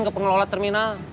ke pengelola terminal